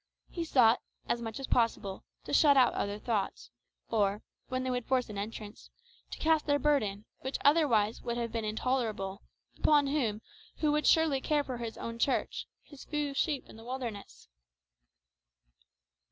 He sought, as much as possible, to shut out other thoughts; or, when they would force an entrance, to cast their burden, which otherwise would have been intolerable, upon Him who would surely care for his own Church, his few sheep in the wilderness.